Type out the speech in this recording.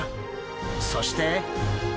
そして！